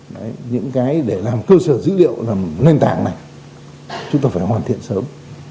đấy những cái để làm cơ sở dữ liệu làm nền tảng này chúng ta phải hoàn thiện sớm